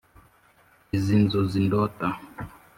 Izi nzozi ndota,